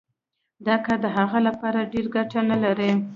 دا کار د هغوی لپاره ډېره ګټه نلري